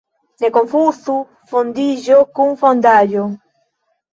Ne konfuzu fondiĝo kun fondaĵo.